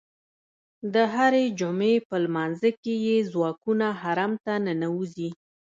د هرې جمعې په لمانځه کې یې ځواکونه حرم ته ننوځي.